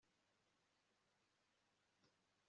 kandi ko bagomba kumujyana ku kigo nderabuzima